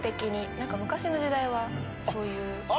何か昔の時代はそういう。